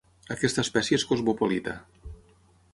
Aquesta espècie és cosmopolita.